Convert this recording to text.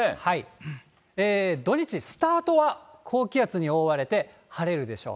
土日、スタートは高気圧に覆われて晴れるでしょう。